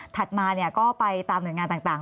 ถัดมาเนี่ยก็ไปตามหน่วยงานต่าง